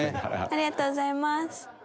ありがとうございます。